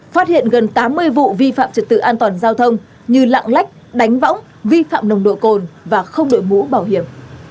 phát hiện gần tám mươi vụ vi phạm trật tự an toàn giao thông như lạng lách đánh võng vi phạm nồng độ cồn và không đội mũ bảo hiểm